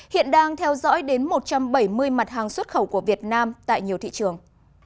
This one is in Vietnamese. hiện đang theo dõi đến một trăm bảy mươi mặt hàng xuất khẩu của việt nam tại nhiều thị trường